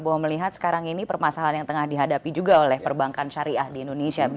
bahwa melihat sekarang ini permasalahan yang tengah dihadapi juga oleh perbankan syariah di indonesia